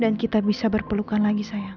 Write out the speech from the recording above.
dan kita bisa berpelukan lagi sayang